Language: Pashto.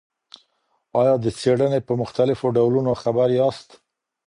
آیا د څېړني په مختلفو ډولونو خبر یاست؟